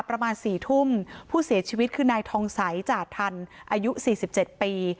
ประมาณ๔ทุ่มผู้เสียชีวิตคือนายทองใสจ่าทันอายุ๔๗ปี